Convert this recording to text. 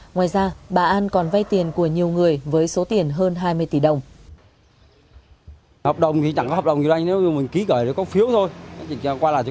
ngoài ra bà an còn vay tiền của nhiều người với số tiền hơn hai mươi tỷ đồng